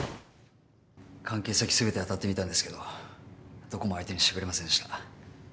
関係先全て当たってみたんですけどどこも相手にしてくれませんでした。